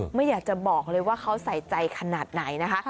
ไม่อยากจะบอกเลยว่าเขาใส่ใจขนาดไหนนะคะ